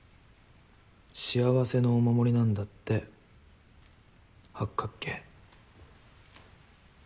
幸せのお守りなんだって八角形。